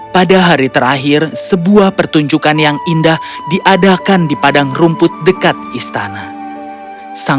pada hari terakhir sebuah pertunjukan yang indah diadakan di padang rumput dekat istana sang